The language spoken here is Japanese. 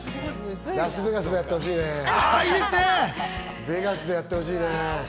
ラスベガスでやってほしいね、ベガスでやってほしいね。